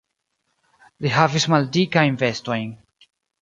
Li havis maldikajn vestojn.